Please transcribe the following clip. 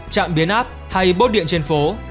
chạm biến áp hay bốt điện trên phố